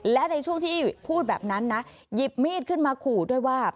และในช่วงที่พูดแบบนั้นนะหยิบมีดขึ้นมาขู่ด้วยว่า